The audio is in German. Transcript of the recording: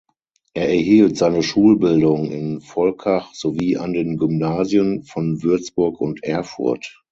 Er erhielt seine Schulbildung in Volkach sowie an den Gymnasien von Würzburg und Erfurt.